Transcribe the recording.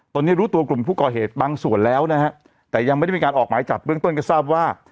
ตอนนี้รู้ตัวกลุ่มผู้ก่อเหตุบางส่วนแล้วนะฮะแต่ยังไม่ได้มีการออกหมายจับเบื้องต้นก็ทราบว่า